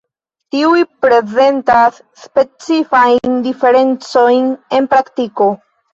Tiuj prezentas specifajn diferencojn en praktiko.